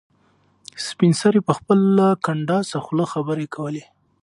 سپین سرې په خپله کنډاسه خوله خبرې کولې.